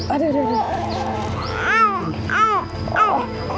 aduh aduh aduh